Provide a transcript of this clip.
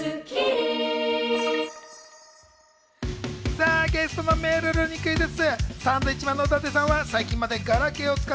さぁ、ゲストのめるるにクイズッス！